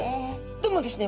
でもですね